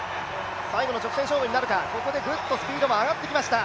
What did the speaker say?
最後の直線勝負になるか、ここでぐっとスピードも上がってきました。